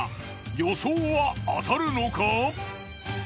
予想は当たるのか？